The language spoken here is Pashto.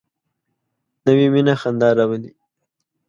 نوې مینه خندا راولي